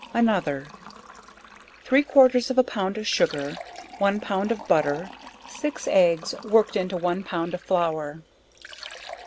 Another. Three quarters of a pound of sugar, 1 pound of butter, 6 eggs work'd into 1 pound of flour.